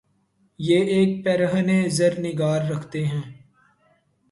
یہ ایک پیر ہنِ زر نگار رکھتے ہیں